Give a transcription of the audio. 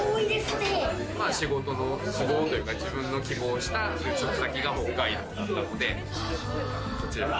仕事の都合というか、自分の希望した就職先が北海道だったので。